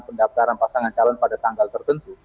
pendaftaran pasangan calon pada tanggal tertentu